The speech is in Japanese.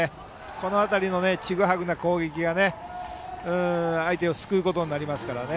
この辺りのちぐはぐな攻撃が相手を救うことになりますからね。